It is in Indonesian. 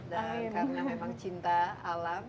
dan karena memang cinta alam